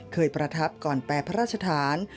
ประทับก่อนแปรพระราชฐาน